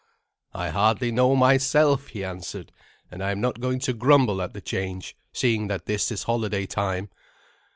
"I hardly know myself," he answered, "and I am not going to grumble at the change, seeing that this is holiday time.